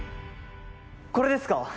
これですか？